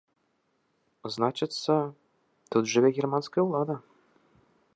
Значыцца, тут жыве германская ўлада!